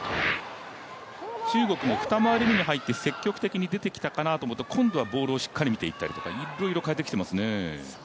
中国も二回り目に入って積極的に出てきたかなと思うと今度はボールをしっかり見ていたりとかいっろいろ変えてきてますね。